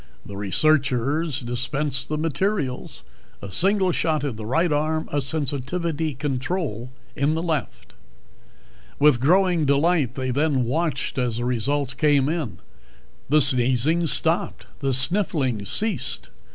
The researchers dispensed the materials a single shot in the right arm, a sensitivity control in the left. With growing delight they then watched as the results came in. The sneezing stopped; the sniffling ceased.